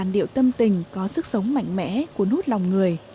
đồng tình có sức sống mạnh mẽ của nút lòng người